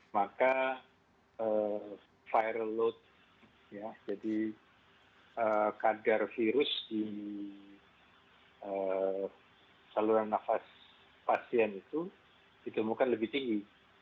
maka viral load ya jadi kadar virus di saluran nafas pasien itu ditemukan lebih tinggi